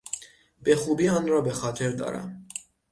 به خوبی آن را به خاطر دارم.